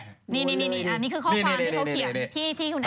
นี่นี่คือข้อความที่เขาเขียน